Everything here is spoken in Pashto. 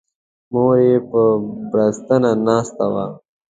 مور یې په بړستنه ناسته وه.